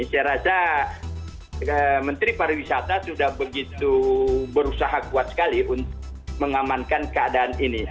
saya rasa menteri pariwisata sudah begitu berusaha kuat sekali untuk mengamankan keadaan ini